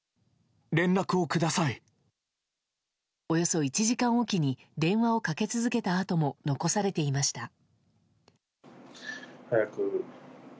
およそ１時間おきに電話をかけ続けたあとも残されていました。